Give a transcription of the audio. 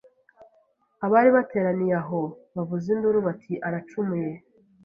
Abari bateraniye aho bavuza induru bati Aracumuye